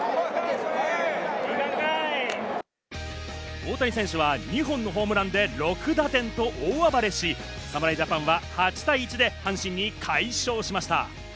大谷選手は２本のホームランで６打点と大暴れし、侍ジャパンは８対１で阪神に快勝しました。